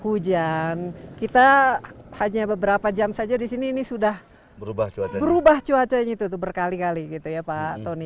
hujan kita hanya beberapa jam saja di sini ini sudah berubah cuacanya itu tuh berkali kali gitu ya pak tony